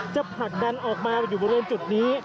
ผลักดันออกมาอยู่บริเวณจุดนี้